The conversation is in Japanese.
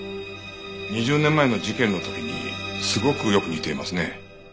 ２０年前の事件の時にすごくよく似ていますね。